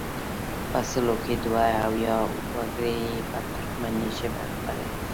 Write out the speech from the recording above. په سلو کې دوه اویا وګړي یې په ترکمني ژبه خبرې کوي.